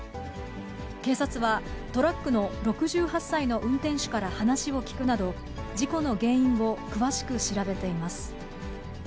警察はトラックの６８歳の運転手から話を聴くなど、事故の原因を詳しく調べています。